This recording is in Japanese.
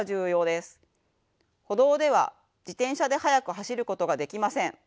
歩道では自転車で速く走ることができません。